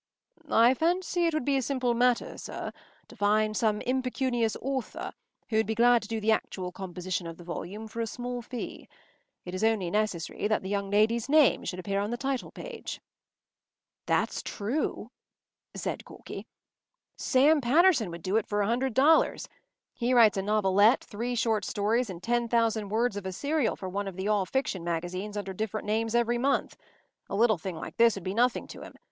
“I fancy it would be a simple matter, sir, to find some impecunious author who would be glad to do the actual composition of the volume for a small fee. It is only necessary that the young lady’s name should appear on the title page.” “That’s true,” said Corky. “Sam Patterson would do it for a hundred dollars. He writes a novelette, three short stories, and ten thousand words of a serial for one of the all fiction magazines under different names every month. A little thing like this would be nothing to him.